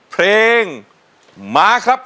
เพลงมาครับ